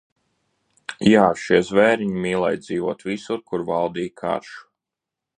"Jā, šie "zvēriņi" mīlēja dzīvot visur, kur valdīja karš."